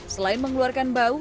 selain mengeluarkan bau